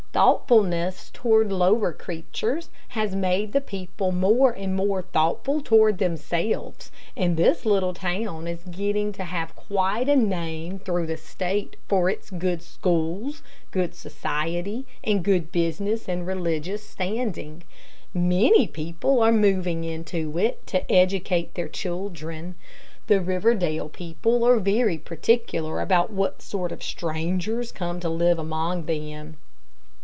Thoughtfulness toward lower creatures has made the people more and more thoughtful toward themselves, and this little town is getting to have quite a name through the State for its good schools, good society, and good business and religious standing. Many people are moving into it, to educate their children. The Riverdale people are very particular about what sort of strangers come to live among them.